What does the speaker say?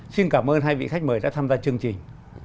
xin cảm ơn hai vị khách mời đã tham gia chương trình